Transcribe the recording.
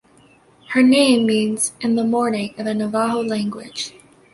Her name means "in the morning" in the Navajo language.